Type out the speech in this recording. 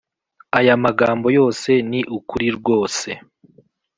aya magambo yose ni ukuri rwose,